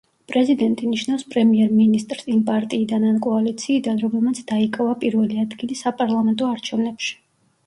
პრეზიდენტი ნიშნავს პრემიერ-მინისტრს იმ პარტიიდან ან კოალიციიდან, რომელმაც დაიკავა პირველი ადგილი საპარლამენტო არჩევნებში.